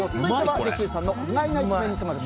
ジェシーさんの意外な一面に迫る